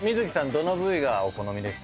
どの部位がお好みでした？